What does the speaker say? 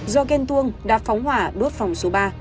do ghen tuông đã phóng hỏa đốt phòng số ba